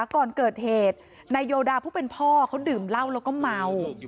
ก่อนเกิดเหตุนายโยดาผู้เป็นพ่อเขาดื่มเหล้าแล้วก็เมา